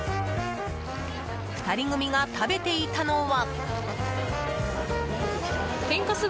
２人組が食べていたのは。